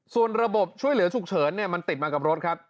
ส่วนระบบช่วยเหลือฉุกเฉินมันติดมากับรถครับ